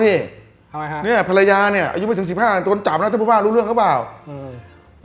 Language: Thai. นี่ทำไมฮะเนี้ยภรรยาเนี้ยอายุไม่ถึงสิบห้าโดนจับแล้วท่านผู้ว่ารู้เรื่องหรือเปล่าอืม